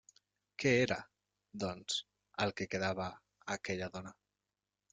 Què era, doncs, el que quedava a aquella dona?